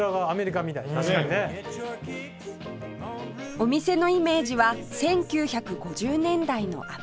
お店のイメージは１９５０年代のアメリカ